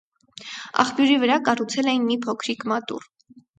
Աղբյուրի վրա կառուցել էին մի փոքրիկ մատուռ։